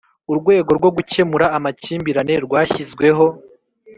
urwego rwo gukemura amakimbirane rwashyizweho